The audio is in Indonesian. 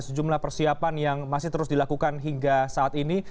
sejumlah persiapan yang masih terus dilakukan hingga saat ini